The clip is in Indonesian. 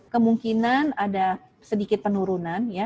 kemungkinan ada sedikit penurunan